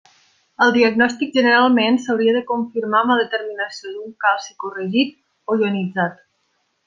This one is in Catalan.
El diagnòstic generalment s'hauria de confirmar amb la determinació d'un calci corregit o ionitzat.